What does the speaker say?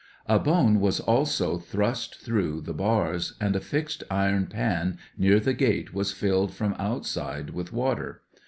A bone was also thrust through the bars, and a fixed iron pan near the gate was filled from outside with water.